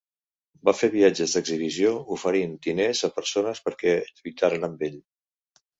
Va fer viatges d'exhibició oferint diners a persones perquè lluitaren amb ell.